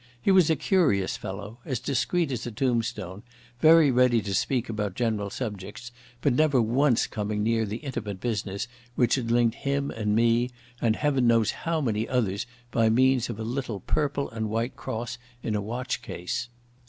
He was a curious fellow, as discreet as a tombstone, very ready to speak about general subjects, but never once coming near the intimate business which had linked him and me and Heaven knew how many others by means of a little purple and white cross in a watch case.